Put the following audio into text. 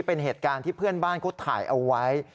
เป็นเหตุการณ์ที่เพื่อนบ้านเขาถ่ายเอาไว้